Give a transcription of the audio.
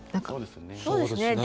そうですね。